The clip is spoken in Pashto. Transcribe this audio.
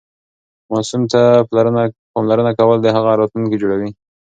ماسوم ته پاملرنه کول د هغه راتلونکی جوړوي.